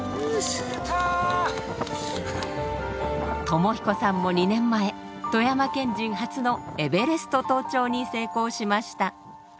知彦さんも２年前富山県人初のエベレスト登頂に成功しました。